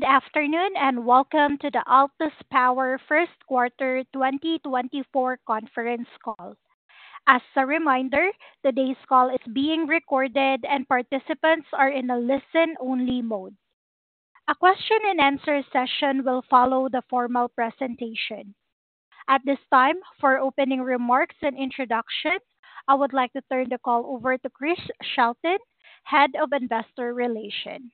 Good afternoon, and welcome to the Altus Power first quarter 2024 conference call. As a reminder, today's call is being recorded and participants are in a listen-only mode. A question and answer session will follow the formal presentation. At this time, for opening remarks and introductions, I would like to turn the call over to Chris Shelton, Head of Investor Relations.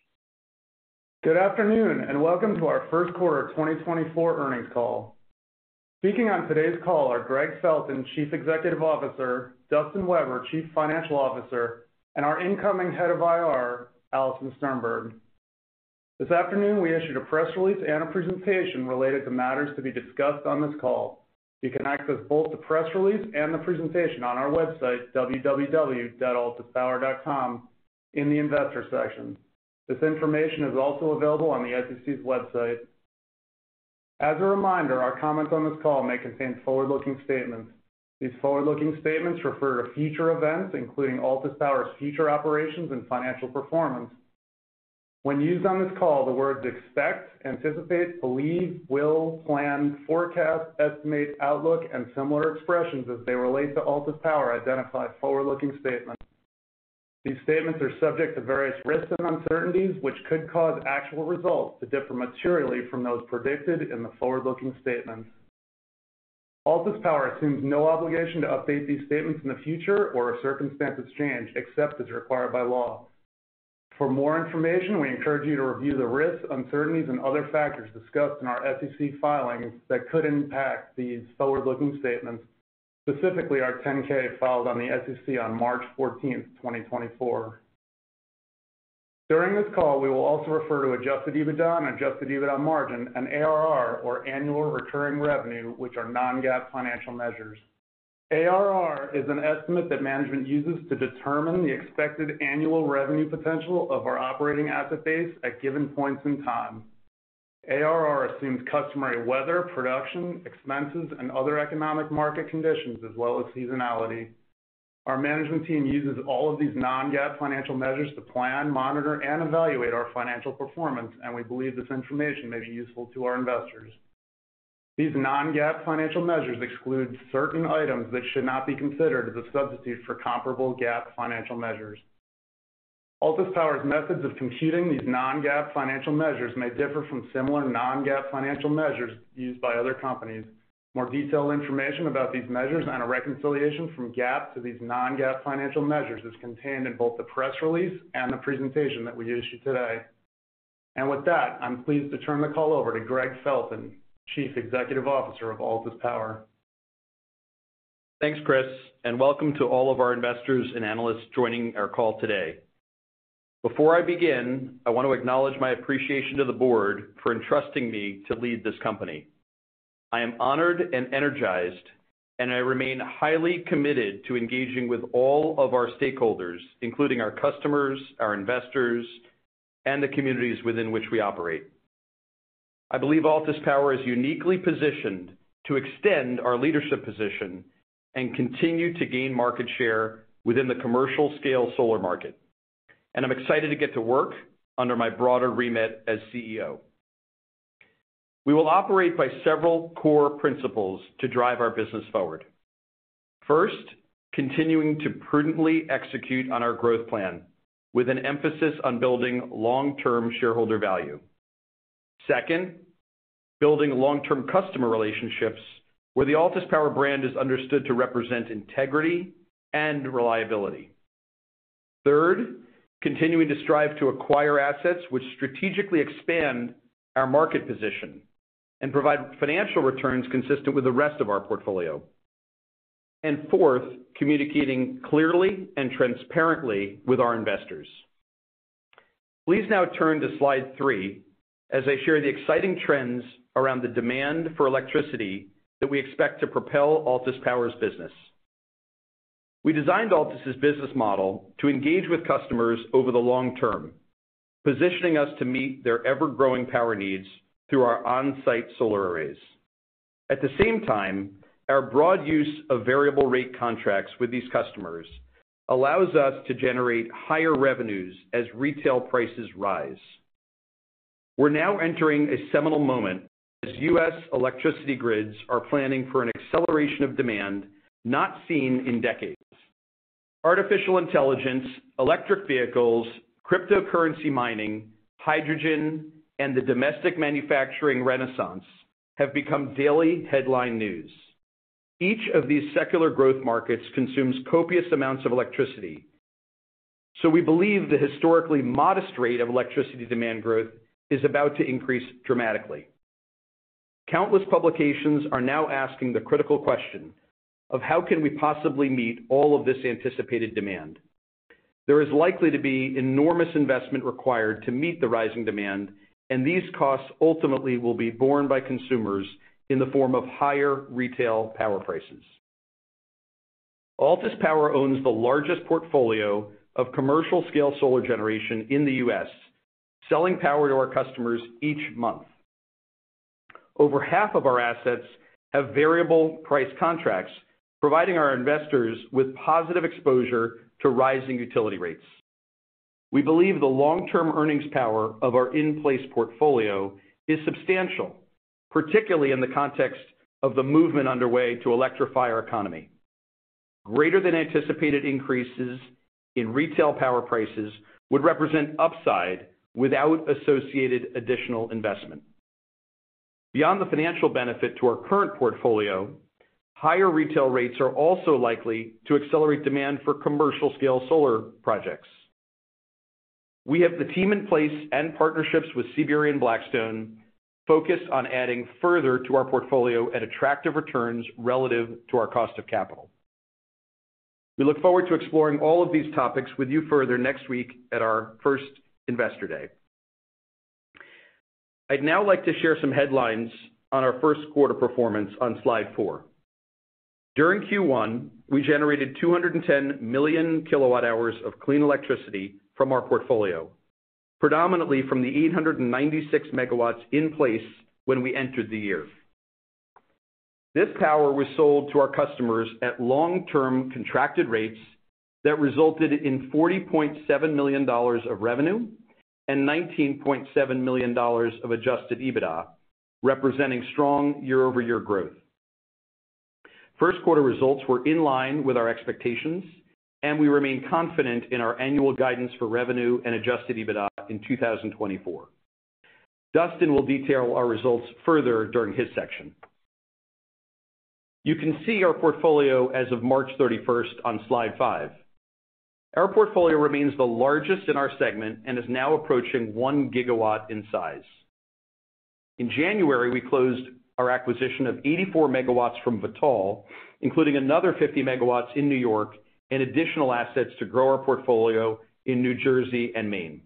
Good afternoon, and welcome to our first quarter 2024 earnings call. Speaking on today's call are Gregg Felton, Chief Executive Officer, Dustin Weber, Chief Financial Officer, and our incoming Head of IR, Alison Sternberg. This afternoon, we issued a press release and a presentation related to matters to be discussed on this call. You can access both the press release and the presentation on our website, www.altuspower.com, in the Investor section. This information is also available on the SEC's website. As a reminder, our comments on this call may contain forward-looking statements. These forward-looking statements refer to future events, including Altus Power's future operations and financial performance. When used on this call, the words expect, anticipate, believe, will, plan, forecast, estimate, outlook, and similar expressions as they relate to Altus Power, identify forward-looking statements. These statements are subject to various risks and uncertainties, which could cause actual results to differ materially from those predicted in the forward-looking statements. Altus Power assumes no obligation to update these statements in the future or if circumstances change, except as required by law. For more information, we encourage you to review the risks, uncertainties, and other factors discussed in our SEC filings that could impact these forward-looking statements, specifically our 10-K filed with the SEC on March fourteenth, 2024. During this call, we will also refer to Adjusted EBITDA and Adjusted EBITDA margin and ARR, or annual recurring revenue, which are non-GAAP financial measures. ARR is an estimate that management uses to determine the expected annual revenue potential of our operating asset base at given points in time. ARR assumes customary weather, production, expenses, and other economic market conditions, as well as seasonality. Our management team uses all of these non-GAAP financial measures to plan, monitor, and evaluate our financial performance, and we believe this information may be useful to our investors. These non-GAAP financial measures exclude certain items that should not be considered as a substitute for comparable GAAP financial measures. Altus Power's methods of computing these non-GAAP financial measures may differ from similar non-GAAP financial measures used by other companies. More detailed information about these measures and a reconciliation from GAAP to these non-GAAP financial measures is contained in both the press release and the presentation that we issued today. With that, I'm pleased to turn the call over to Gregg Felton, Chief Executive Officer of Altus Power. Thanks, Chris, and welcome to all of our investors and analysts joining our call today. Before I begin, I want to acknowledge my appreciation to the board for entrusting me to lead this company. I am honored and energized, and I remain highly committed to engaging with all of our stakeholders, including our customers, our investors, and the communities within which we operate. I believe Altus Power is uniquely positioned to extend our leadership position and continue to gain market share within the commercial-scale solar market, and I'm excited to get to work under my broader remit as CEO. We will operate by several core principles to drive our business forward. First, continuing to prudently execute on our growth plan with an emphasis on building long-term shareholder value. Second, building long-term customer relationships where the Altus Power brand is understood to represent integrity and reliability. Third, continuing to strive to acquire assets which strategically expand our market position and provide financial returns consistent with the rest of our portfolio. Fourth, communicating clearly and transparently with our investors. Please now turn to slide three as I share the exciting trends around the demand for electricity that we expect to propel Altus Power's business. We designed Altus's business model to engage with customers over the long term, positioning us to meet their ever-growing power needs through our on-site solar arrays. At the same time, our broad use of variable rate contracts with these customers allows us to generate higher revenues as retail prices rise. We're now entering a seminal moment as U.S. electricity grids are planning for an acceleration of demand not seen in decades. Artificial intelligence, electric vehicles, cryptocurrency mining, hydrogen, and the domestic manufacturing renaissance have become daily headline news. Each of these secular growth markets consumes copious amounts of electricity. So we believe the historically modest rate of electricity demand growth is about to increase dramatically. Countless publications are now asking the critical question of: how can we possibly meet all of this anticipated demand? There is likely to be enormous investment required to meet the rising demand, and these costs ultimately will be borne by consumers in the form of higher retail power prices. Altus Power owns the largest portfolio of commercial-scale solar generation in the U.S., selling power to our customers each month. Over half of our assets have variable price contracts, providing our investors with positive exposure to rising utility rates. We believe the long-term earnings power of our in-place portfolio is substantial, particularly in the context of the movement underway to electrify our economy. Greater than anticipated increases in retail power prices would represent upside without associated additional investment. Beyond the financial benefit to our current portfolio, higher retail rates are also likely to accelerate demand for commercial-scale solar projects. We have the team in place and partnerships with CBRE and Blackstone, focused on adding further to our portfolio at attractive returns relative to our cost of capital. We look forward to exploring all of these topics with you further next week at our first Investor Day. I'd now like to share some headlines on our first quarter performance on slide four. During Q1, we generated 210 million kWh of clean electricity from our portfolio, predominantly from the 896 MW in place when we entered the year. This power was sold to our customers at long-term contracted rates that resulted in $40.7 million of revenue and $19.7 million of adjusted EBITDA, representing strong year-over-year growth. First quarter results were in line with our expectations, and we remain confident in our annual guidance for revenue and adjusted EBITDA in 2024. Dustin will detail our results further during his section. You can see our portfolio as of March 31 on slide five. Our portfolio remains the largest in our segment and is now approaching 1 GW in size. In January, we closed our acquisition of 84 MW from Vitol, including another 50 MW in New York and additional assets to grow our portfolio in New Jersey and Maine.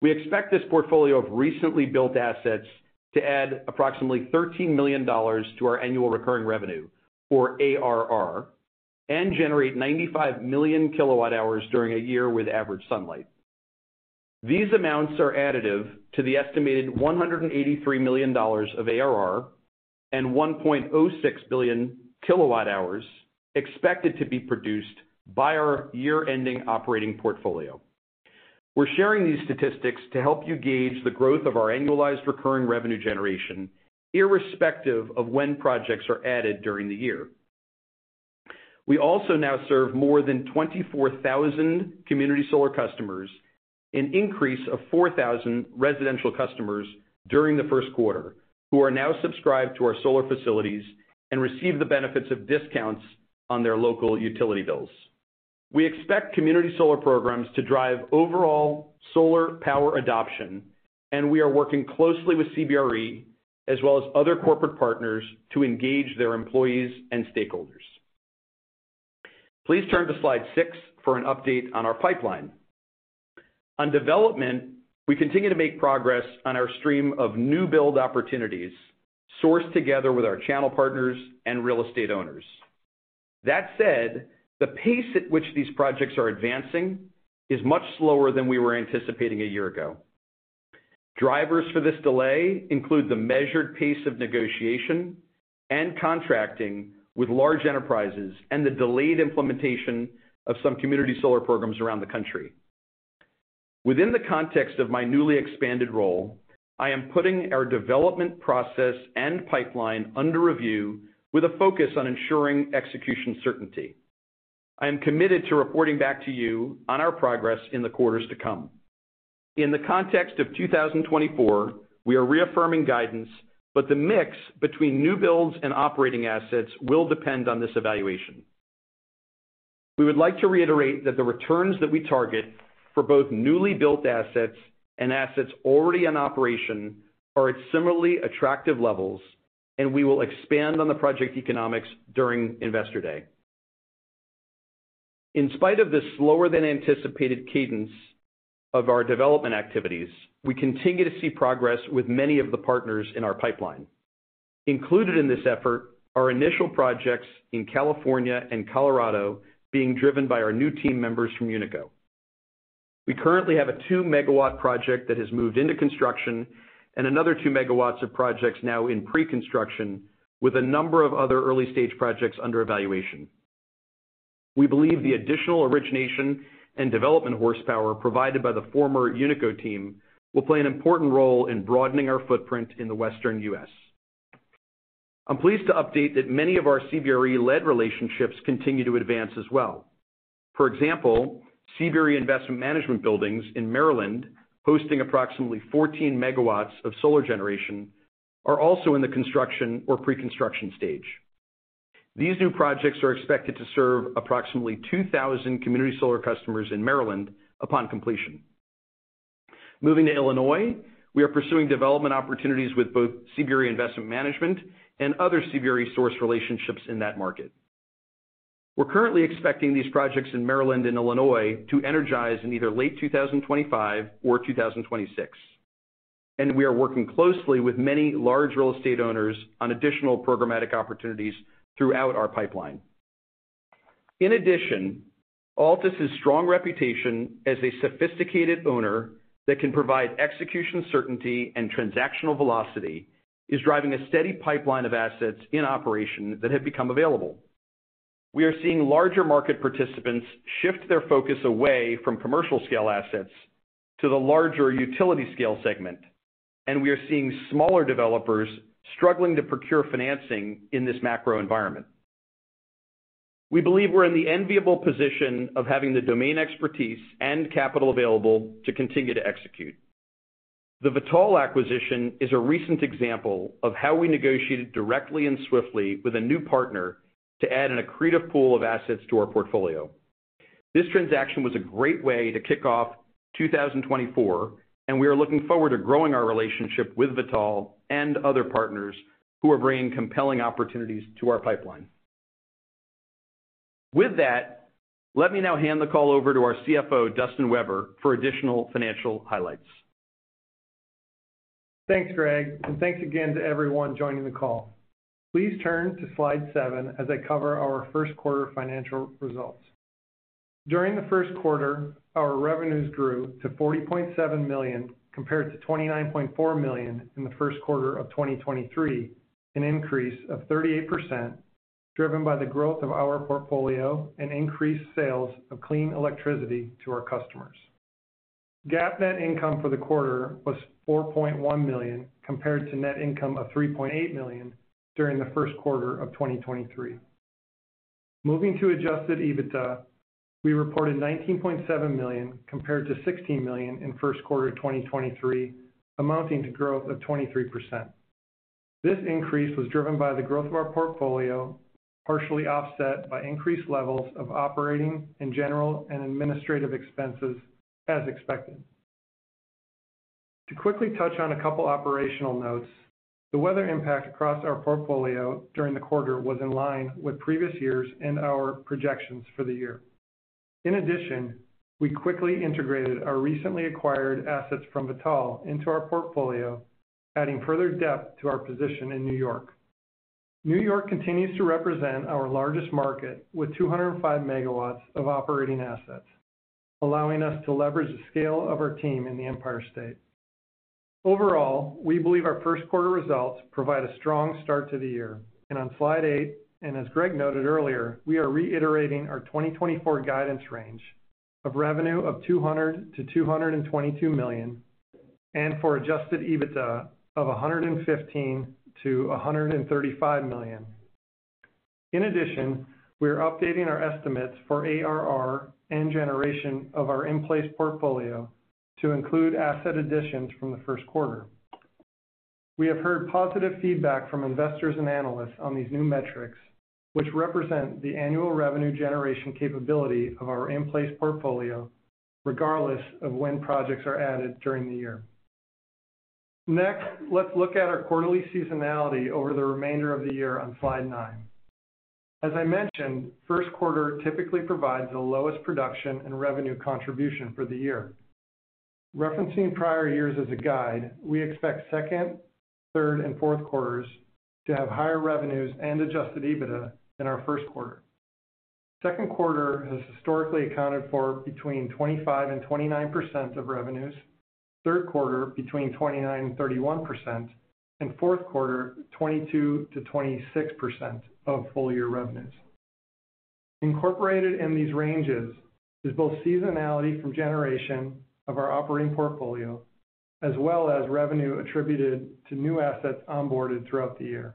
We expect this portfolio of recently built assets to add approximately $13 million to our annual recurring revenue, or ARR, and generate 95 million kWh during a year with average sunlight. These amounts are additive to the estimated $183 million of ARR and 1.06 billion kWh expected to be produced by our year-ending operating portfolio. We're sharing these statistics to help you gauge the growth of our annualized recurring revenue generation, irrespective of when projects are added during the year. We also now serve more than 24,000 community solar customers, an increase of 4,000 residential customers during the first quarter, who are now subscribed to our solar facilities and receive the benefits of discounts on their local utility bills. We expect community solar programs to drive overall solar power adoption, and we are working closely with CBRE, as well as other corporate partners, to engage their employees and stakeholders. Please turn to slide 6 for an update on our pipeline. On development, we continue to make progress on our stream of new build opportunities, sourced together with our channel partners and real estate owners. That said, the pace at which these projects are advancing is much slower than we were anticipating a year ago. Drivers for this delay include the measured pace of negotiation and contracting with large enterprises, and the delayed implementation of some community solar programs around the country. Within the context of my newly expanded role, I am putting our development process and pipeline under review with a focus on ensuring execution certainty. I am committed to reporting back to you on our progress in the quarters to come. In the context of 2024, we are reaffirming guidance, but the mix between new builds and operating assets will depend on this evaluation. We would like to reiterate that the returns that we target for both newly built assets and assets already in operation are at similarly attractive levels, and we will expand on the project economics during Investor Day. In spite of this slower-than-anticipated cadence of our development activities, we continue to see progress with many of the partners in our pipeline. Included in this effort are initial projects in California and Colorado being driven by our new team members from Unico. We currently have a 2-MW project that has moved into construction and another 2 MW of projects now in pre-construction, with a number of other early-stage projects under evaluation. We believe the additional origination and development horsepower provided by the former Unico team will play an important role in broadening our footprint in the Western U.S. I'm pleased to update that many of our CBRE-led relationships continue to advance as well. For example, CBRE Investment Management buildings in Maryland, hosting approximately 14 MW of solar generation, are also in the construction or pre-construction stage. These new projects are expected to serve approximately 2,000 community solar customers in Maryland upon completion. Moving to Illinois, we are pursuing development opportunities with both CBRE Investment Management and other CBRE-sourced relationships in that market. We're currently expecting these projects in Maryland and Illinois to energize in either late 2025 or 2026, and we are working closely with many large real estate owners on additional programmatic opportunities throughout our pipeline. In addition, Altus' strong reputation as a sophisticated owner that can provide execution, certainty, and transactional velocity, is driving a steady pipeline of assets in operation that have become available. We are seeing larger market participants shift their focus away from commercial scale assets to the larger utility scale segment, and we are seeing smaller developers struggling to procure financing in this macro environment. We believe we're in the enviable position of having the domain expertise and capital available to continue to execute. The Vitol acquisition is a recent example of how we negotiated directly and swiftly with a new partner to add an accretive pool of assets to our portfolio. This transaction was a great way to kick off 2024, and we are looking forward to growing our relationship with Vitol and other partners who are bringing compelling opportunities to our pipeline. With that, let me now hand the call over to our CFO, Dustin Weber, for additional financial highlights. Thanks, Gregg, and thanks again to everyone joining the call. Please turn to slide seven as I cover our first quarter financial results. During the first quarter, our revenues grew to $40.7 million, compared to $29.4 million in the first quarter of 2023, an increase of 38%, driven by the growth of our portfolio and increased sales of clean electricity to our customers. GAAP net income for the quarter was $4.1 million, compared to net income of $3.8 million during the first quarter of 2023. Moving to Adjusted EBITDA, we reported $19.7 million, compared to $16 million in first quarter of 2023, amounting to growth of 23%. This increase was driven by the growth of our portfolio, partially offset by increased levels of operating and general and administrative expenses as expected. To quickly touch on a couple operational notes, the weather impact across our portfolio during the quarter was in line with previous years and our projections for the year. In addition, we quickly integrated our recently acquired assets from Vitol into our portfolio, adding further depth to our position in New York. New York continues to represent our largest market, with 205 MW of operating assets, allowing us to leverage the scale of our team in the Empire State. Overall, we believe our first quarter results provide a strong start to the year. On slide eight, and as Gregg noted earlier, we are reiterating our 2024 guidance range of revenue of $200 million-$222 million, and for adjusted EBITDA of $115 million-$135 million. In addition, we are updating our estimates for ARR and generation of our in-place portfolio to include asset additions from the first quarter. We have heard positive feedback from investors and analysts on these new metrics, which represent the annual revenue generation capability of our in-place portfolio, regardless of when projects are added during the year. Next, let's look at our quarterly seasonality over the remainder of the year on slide nine. As I mentioned, first quarter typically provides the lowest production and revenue contribution for the year. Referencing prior years as a guide, we expect second, third, and fourth quarters to have higher revenues and Adjusted EBITDA than our first quarter. Second quarter has historically accounted for between 25%-29% of revenues, third quarter, between 29%-31%, and fourth quarter, 22%-26% of full-year revenues. Incorporated in these ranges is both seasonality from generation of our operating portfolio, as well as revenue attributed to new assets onboarded throughout the year.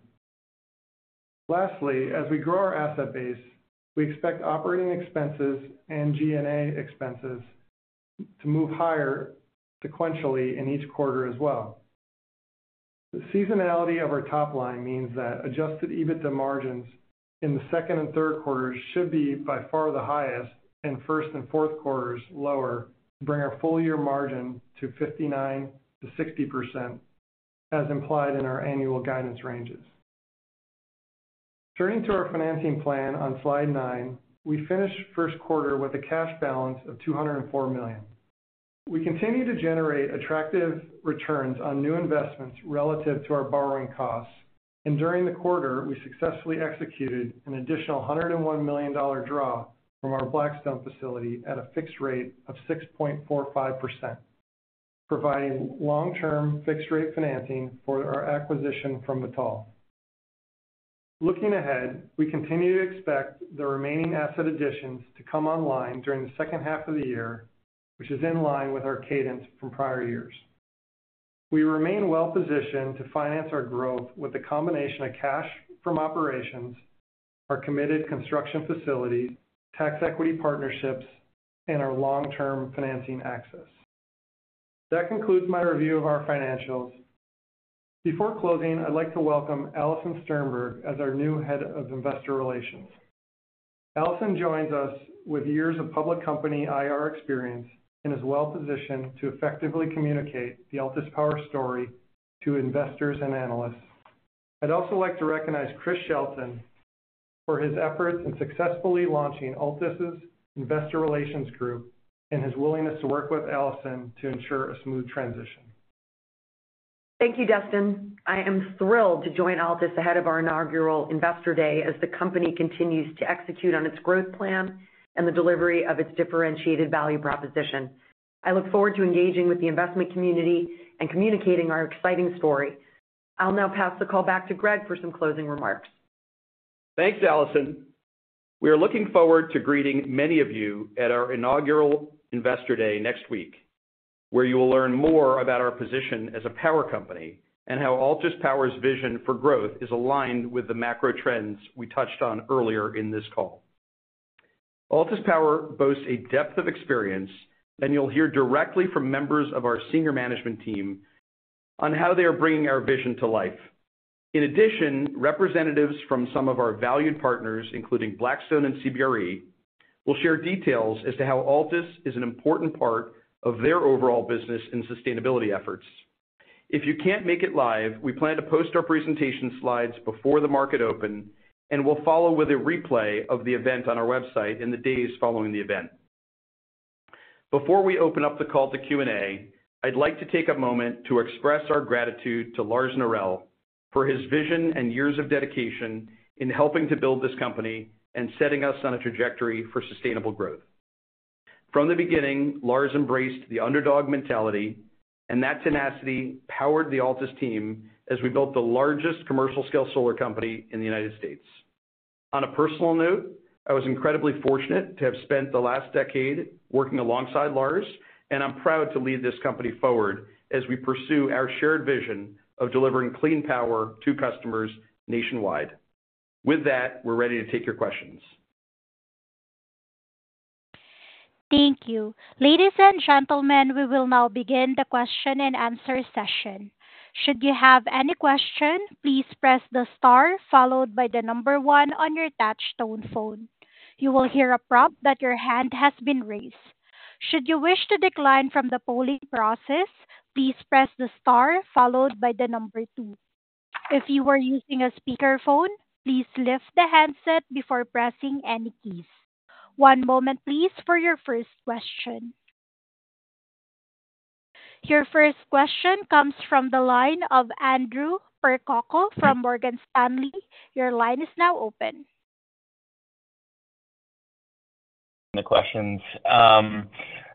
Lastly, as we grow our asset base, we expect operating expenses and G&A expenses to move higher sequentially in each quarter as well. The seasonality of our top line means that adjusted EBITDA margins in the second and third quarters should be by far the highest, and first and fourth quarters, lower, to bring our full year margin to 59%-60%, as implied in our annual guidance ranges. Turning to our financing plan on slide 9, we finished first quarter with a cash balance of $204 million. We continue to generate attractive returns on new investments relative to our borrowing costs, and during the quarter, we successfully executed an additional $101 million draw from our Blackstone facility at a fixed rate of 6.45%, providing long-term fixed rate financing for our acquisition from Vitol. Looking ahead, we continue to expect the remaining asset additions to come online during the second half of the year, which is in line with our cadence from prior years. We remain well-positioned to finance our growth with a combination of cash from operations, our committed construction facilities, tax equity partnerships, and our long-term financing access. That concludes my review of our financials. Before closing, I'd like to welcome Alison Sternberg as our new head of investor relations. Alison joins us with years of public company IR experience and is well-positioned to effectively communicate the Altus Power story to investors and analysts. I'd also like to recognize Chris Shelton for his efforts in successfully launching Altus's investor relations group, and his willingness to work with Alison to ensure a smooth transition. Thank you, Dustin. I am thrilled to join Altus ahead of our inaugural Investor Day as the company continues to execute on its growth plan and the delivery of its differentiated value proposition. I look forward to engaging with the investment community and communicating our exciting story. I'll now pass the call back to Gregg for some closing remarks. Thanks, Alison. We are looking forward to greeting many of you at our inaugural Investor Day next week, where you will learn more about our position as a power company and how Altus Power's vision for growth is aligned with the macro trends we touched on earlier in this call. Altus Power boasts a depth of experience, and you'll hear directly from members of our senior management team on how they are bringing our vision to life. In addition, representatives from some of our valued partners, including Blackstone and CBRE, will share details as to how Altus is an important part of their overall business and sustainability efforts. If you can't make it live, we plan to post our presentation slides before the market open, and we'll follow with a replay of the event on our website in the days following the event. Before we open up the call to Q&A, I'd like to take a moment to express our gratitude to Lars Norell for his vision and years of dedication in helping to build this company and setting us on a trajectory for sustainable growth. From the beginning, Lars embraced the underdog mentality, and that tenacity powered the Altus team as we built the largest commercial-scale solar company in the United States. On a personal note, I was incredibly fortunate to have spent the last decade working alongside Lars, and I'm proud to lead this company forward as we pursue our shared vision of delivering clean power to customers nationwide. With that, we're ready to take your questions. Thank you. Ladies and gentlemen, we will now begin the question-and-answer session. Should you have any question, please press the star followed by the number one on your touchtone phone. You will hear a prompt that your hand has been raised. Should you wish to decline from the polling process, please press the star followed by the number two. If you are using a speakerphone, please lift the handset before pressing any keys. One moment, please, for your first question. Your first question comes from the line of Andrew Percoco from Morgan Stanley. Your line is now open. The questions.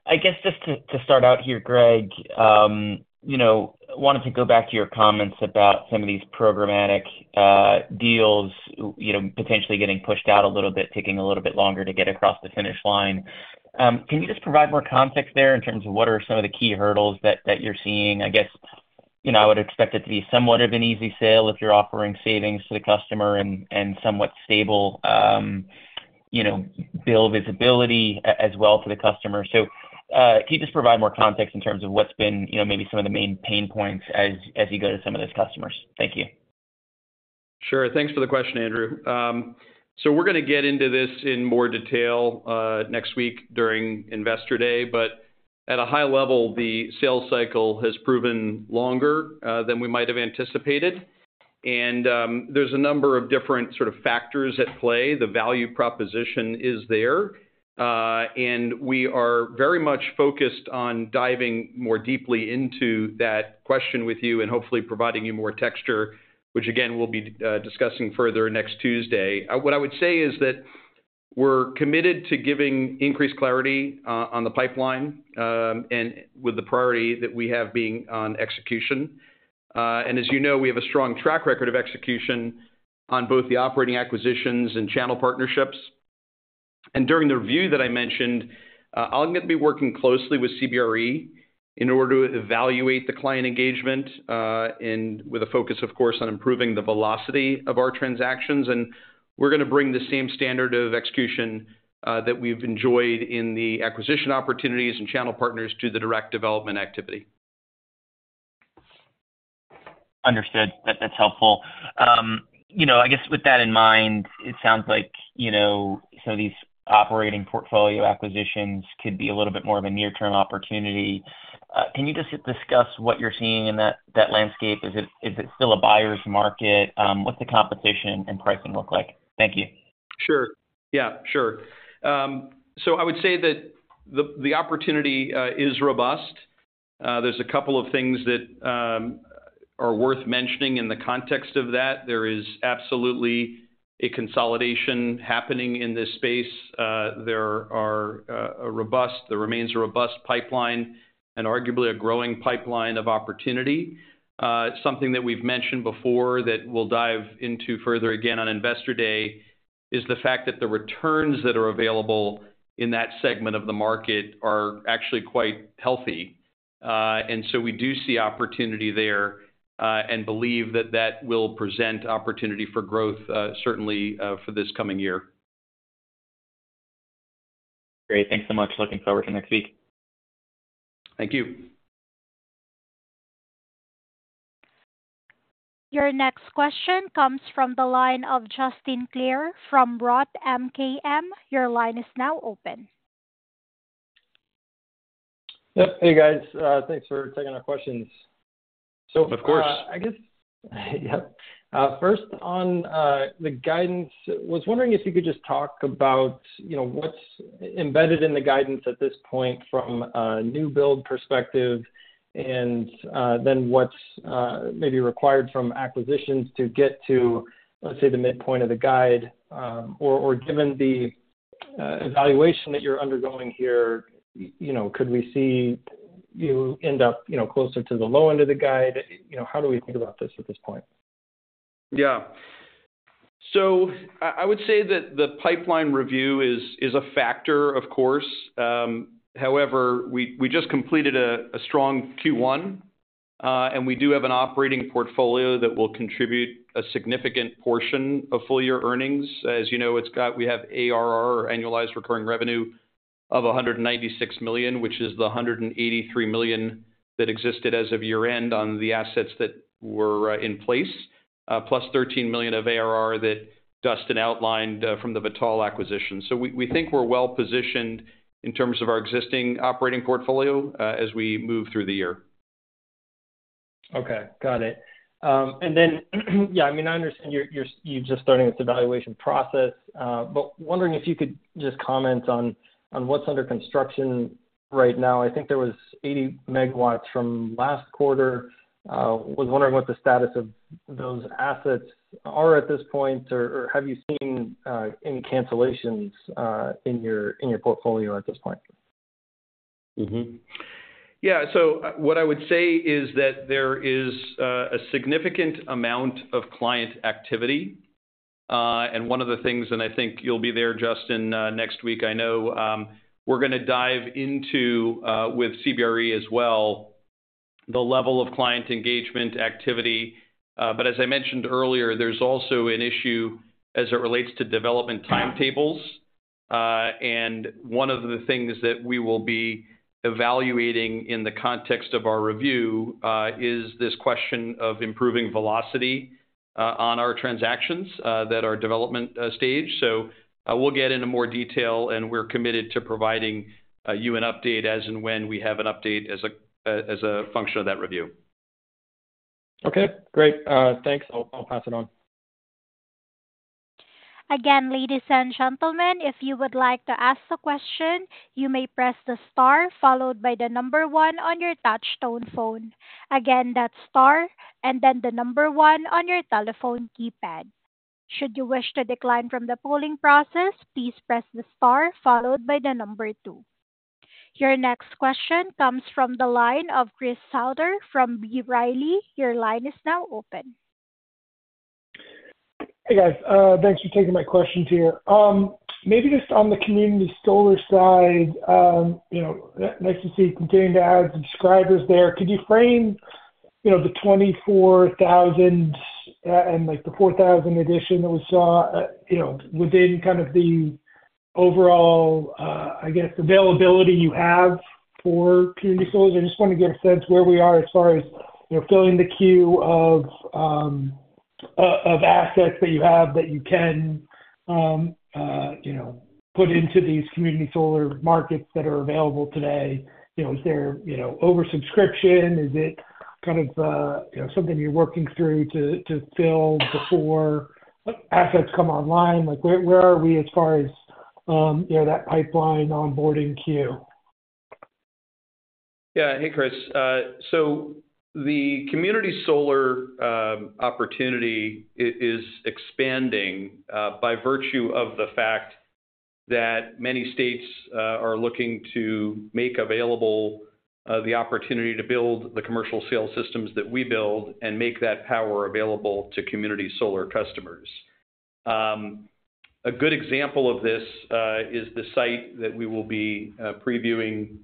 I guess just to start out here, Gregg, you know, wanted to go back to your comments about some of these programmatic deals, you know, potentially getting pushed out a little bit, taking a little bit longer to get across the finish line. Can you just provide more context there in terms of what are some of the key hurdles that you're seeing? I guess, you know, I would expect it to be somewhat of an easy sale if you're offering savings to the customer and somewhat stable, you know, bill visibility as well for the customer. So, can you just provide more context in terms of what's been, you know, maybe some of the main pain points as you go to some of those customers? Thank you. Sure. Thanks for the question, Andrew. So we're gonna get into this in more detail next week during Investor Day. But at a high level, the sales cycle has proven longer than we might have anticipated. And there's a number of different sort of factors at play. The value proposition is there, and we are very much focused on diving more deeply into that question with you and hopefully providing you more texture, which, again, we'll be discussing further next Tuesday. What I would say is that we're committed to giving increased clarity on the pipeline, and with the priority that we have being on execution. And as you know, we have a strong track record of execution on both the operating acquisitions and channel partnerships. And during the review that I mentioned, I'm gonna be working closely with CBRE in order to evaluate the client engagement, and with a focus, of course, on improving the velocity of our transactions. And we're gonna bring the same standard of execution, that we've enjoyed in the acquisition opportunities and channel partners to the direct development activity. Understood. That's helpful. You know, I guess with that in mind, it sounds like, you know, some of these operating portfolio acquisitions could be a little bit more of a near-term opportunity. Can you just discuss what you're seeing in that landscape? Is it still a buyer's market? What's the competition and pricing look like? Thank you. Sure. Yeah, sure. So I would say that the opportunity is robust. There's a couple of things that are worth mentioning in the context of that. There is absolutely a consolidation happening in this space. There remains a robust pipeline and arguably a growing pipeline of opportunity. Something that we've mentioned before that we'll dive into further again on Investor Day is the fact that the returns that are available in that segment of the market are actually quite healthy. And so we do see opportunity there and believe that that will present opportunity for growth, certainly, for this coming year. Great. Thanks so much. Looking forward to next week. Thank you. Your next question comes from the line of Justin Clare from ROTH MKM. Your line is now open. Yep. Hey, guys, thanks for taking our questions. So of course. Yep. First on the guidance, I was wondering if you could just talk about, you know, what's embedded in the guidance at this point from a new build perspective? And then what's maybe required from acquisitions to get to, let's say, the midpoint of the guide. Or given the evaluation that you're undergoing here, you know, could we see you end up, you know, closer to the low end of the guide? You know, how do we think about this at this point? Yeah. So I would say that the pipeline review is a factor, of course. However, we just completed a strong Q1, and we do have an operating portfolio that will contribute a significant portion of full year earnings. As you know, it's got—we have ARR, annualized recurring revenue, of $196 million, which is the $183 million that existed as of year-end on the assets that were in place, plus $13 million of ARR that Dustin outlined from the Vitol acquisition. So we think we're well positioned in terms of our existing operating portfolio, as we move through the year. Okay, got it. And then, yeah, I mean, I understand you're just starting this evaluation process, but wondering if you could just comment on what's under construction right now. I think there was 80 MW from last quarter. Was wondering what the status of those assets are at this point, or have you seen any cancellations in your portfolio at this point? Yeah. So what I would say is that there is a significant amount of client activity. And one of the things, and I think you'll be there, Justin, next week, I know, we're gonna dive into with CBRE as well, the level of client engagement activity. But as I mentioned earlier, there's also an issue as it relates to development timetables. And one of the things that we will be evaluating in the context of our review is this question of improving velocity on our transactions that are development stage. So, we'll get into more detail, and we're committed to providing you an update as and when we have an update as a function of that review. Okay, great. Thanks. I'll, I'll pass it on. Again, ladies and gentlemen, if you would like to ask a question, you may press the star followed by the number one on your touch tone phone. Again, that's star and then the number one on your telephone keypad. Should you wish to decline from the polling process, please press the star followed by the number two. Your next question comes from the line of Chris Souther from B. Riley. Your line is now open. Hey, guys. Thanks for taking my questions here. Maybe just on the community solar side, you know, nice to see you continuing to add subscribers there. Could you frame, you know, the 24,000, and, like, the 4,000 addition that we saw, you know, within kind of the overall, I guess, availability you have for community solar? I just want to get a sense where we are as far as, you know, filling the queue of, of assets that you have that you can, you know, put into these community solar markets that are available today. You know, is there, you know, oversubscription? Is it kind of, you know, something you're working through to, to fill before assets come online? Like, where, where are we as far as, you know, that pipeline onboarding queue? Yeah. Hey, Chris. So the community solar opportunity is expanding by virtue of the fact that many states are looking to make available the opportunity to build the commercial scale systems that we build and make that power available to community solar customers. A good example of this is the site that we will be previewing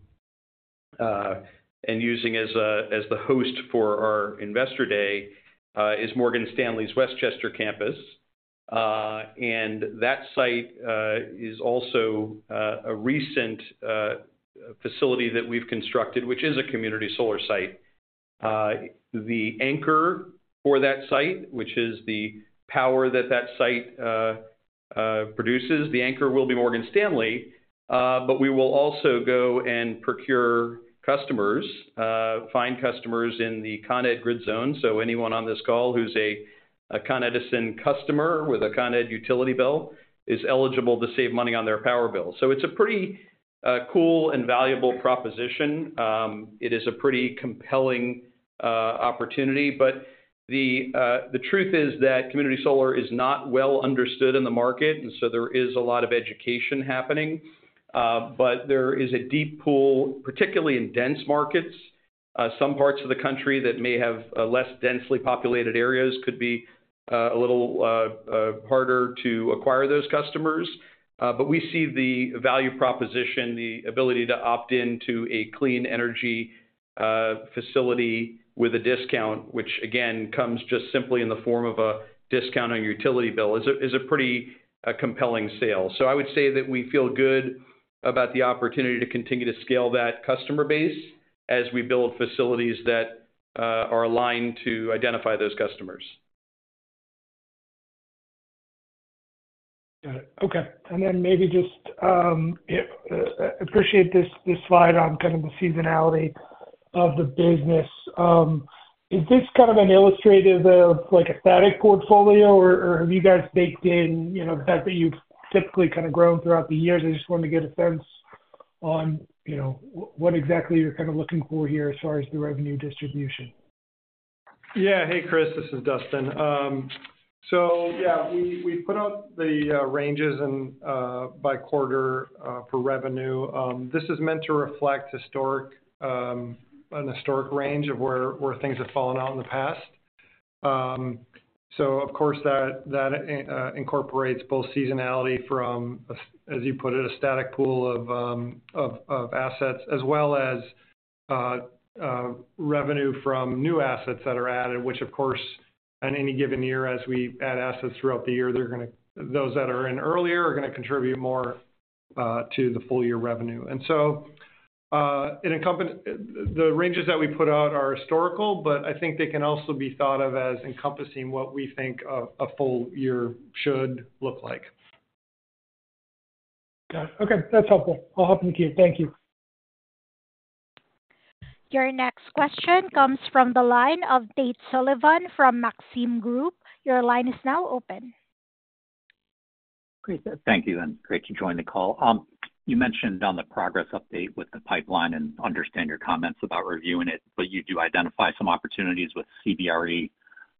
and using as the host for our investor day is Morgan Stanley's Westchester campus. And that site is also a recent facility that we've constructed, which is a community solar site. The anchor for that site, which is the power that that site produces, the anchor will be Morgan Stanley. But we will also go and procure customers, find customers in the Con Ed grid zone. So anyone on this call who's a Con Edison customer with a Con Ed utility bill is eligible to save money on their power bill. So it's a pretty cool and valuable proposition. It is a pretty compelling opportunity. But the truth is that community solar is not well understood in the market, and so there is a lot of education happening. But there is a deep pool, particularly in dense markets. Some parts of the country that may have less densely populated areas could be a little harder to acquire those customers. But we see the value proposition, the ability to opt in to a clean energy facility with a discount, which again, comes just simply in the form of a discount on your utility bill, is a pretty compelling sale. So I would say that we feel good about the opportunity to continue to scale that customer base as we build facilities that are aligned to identify those customers. Got it. Okay, and then maybe just, yep, appreciate this, this slide on kind of the seasonality of the business. Is this kind of an illustrative of, like, a static portfolio, or, or have you guys baked in, you know, the fact that you've typically kind of grown throughout the years? I just want to get a sense on, you know, what exactly you're kind of looking for here as far as the revenue distribution. Yeah. Hey, Chris, this is Dustin. So yeah, we put out the ranges and by quarter for revenue. This is meant to reflect historic, an historic range of where things have fallen out in the past. So of course, that incorporates both seasonality from, as you put it, a static pool of assets, as well as revenue from new assets that are added, which, of course, on any given year, as we add assets throughout the year, they're gonna, those that are in earlier, are gonna contribute more to the full year revenue. And so, in a company, the ranges that we put out are historical, but I think they can also be thought of as encompassing what we think a full year should look like. Got it. Okay. That's helpful. I'll hop in the queue. Thank you. Your next question comes from the line of Tate Sullivan from Maxim Group. Your line is now open. Thank you, and great to join the call. You mentioned on the progress update with the pipeline, and understand your comments about reviewing it, but you do identify some opportunities with CBRE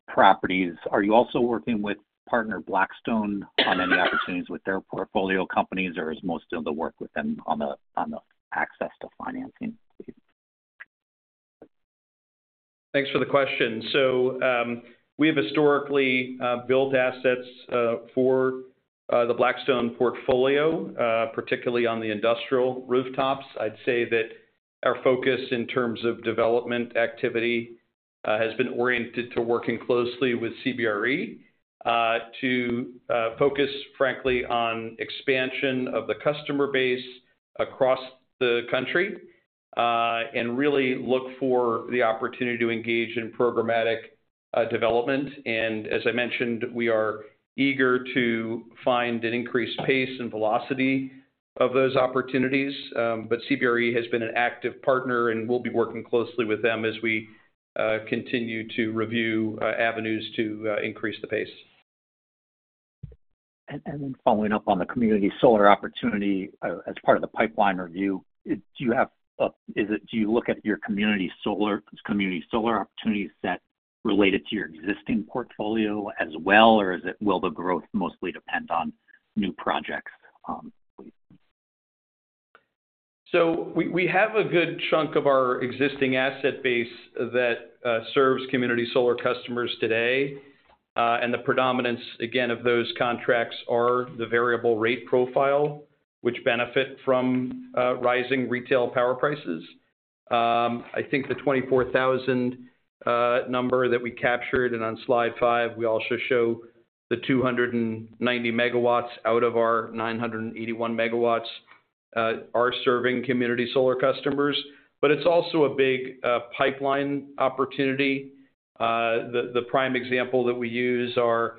properties. Are you also working with partner Blackstone on any opportunities with their portfolio companies, or is most of the work with them on the access to financing? Thanks for the question. So, we have historically built assets for the Blackstone portfolio, particularly on the industrial rooftops. I'd say that our focus in terms of development activity has been oriented to working closely with CBRE to focus frankly on expansion of the customer base across the country and really look for the opportunity to engage in programmatic development. And as I mentioned, we are eager to find an increased pace and velocity of those opportunities. But CBRE has been an active partner, and we'll be working closely with them as we continue to review avenues to increase the pace. And then following up on the community solar opportunity, as part of the pipeline review, do you have—is it, do you look at your community solar, community solar opportunities that related to your existing portfolio as well, or is it, will the growth mostly depend on new projects, please? So we have a good chunk of our existing asset base that serves community solar customers today. And the predominance, again, of those contracts are the variable rate profile, which benefit from rising retail power prices. I think the 24,000 number that we captured, and on slide 5, we also show the 290 megawatts out of our 981 megawatts are serving community solar customers. But it's also a big pipeline opportunity. The prime example that we use are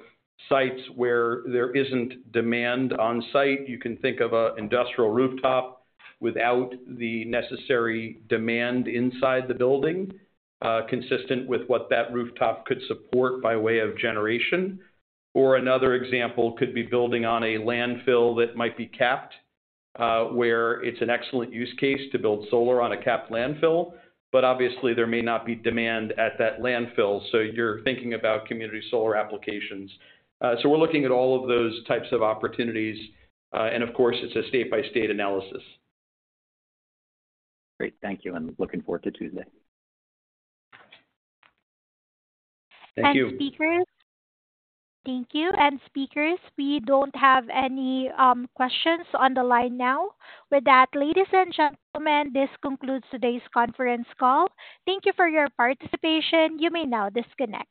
sites where there isn't demand on site. You can think of an industrial rooftop without the necessary demand inside the building consistent with what that rooftop could support by way of generation. Or another example could be building on a landfill that might be capped, where it's an excellent use case to build solar on a capped landfill. But obviously there may not be demand at that landfill, so you're thinking about community solar applications. So we're looking at all of those types of opportunities, and of course, it's a state-by-state analysis. Great. Thank you, and looking forward to Tuesday. Thank you. And speakers. Thank you. And speakers, we don't have any questions on the line now. With that, ladies and gentlemen, this concludes today's conference call. Thank you for your participation. You may now disconnect.